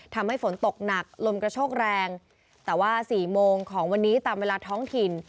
ทำให้ฝนตกหนักลมกระโชกแรงแต่ว่าสี่โมงของวันนี้ตามเวลาท้องถิ่น